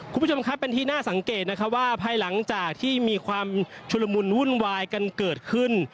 คุณผู้ชมครับเป็นที่น่าสังเกตนะครับว่าภายหลังจากที่มีความชุลมุนวุ่นวายกันเกิดขึ้น